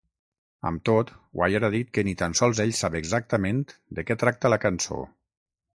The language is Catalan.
Amb tot, Wire ha dit que ni tan sols ell sap exactament de què tracta la cançó.